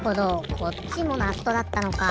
こっちもナットだったのか。